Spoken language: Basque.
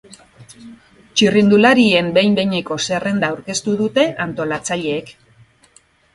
Txirrindularien behin behineko zerrenda aurkeztu dute antolatzaileek.